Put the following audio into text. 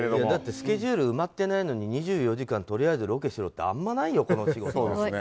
だってスケジュール埋まってないので２４時間とりあえずロケしようってあまりないよ、この仕事。